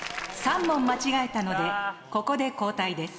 ３問間違えたのでここで交代です。